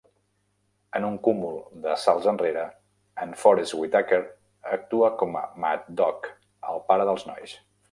En un cúmul de salts enrere, en Forest Whitaker actua com a Mad Dog, el pare dels nois.